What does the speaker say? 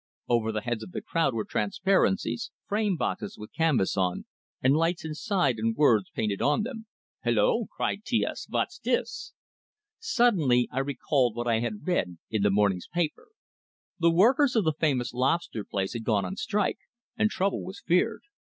Over the heads of the crowd were transparencies, frame boxes with canvas on, and lights inside, and words painted on them. "Hello!" cried T S. "Vot's dis?" Suddenly I recalled what I had read in the morning's paper. The workers of the famous lobster palace had gone on strike, and trouble was feared.